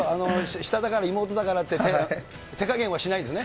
下だから、妹だからって、手加減はしないんですね。